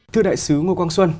thưa đại sứ ngô quang xuân